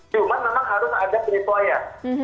cuma memang harus ada penyesuaian